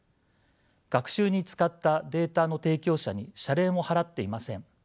学習に使ったデータの提供者に謝礼も払っていません。